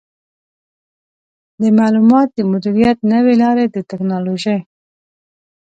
د معلوماتو د مدیریت نوې لارې د ټکنالوژۍ